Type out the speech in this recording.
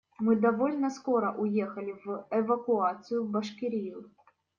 Мы довольно скоро уехали в эвакуацию в Башкирию.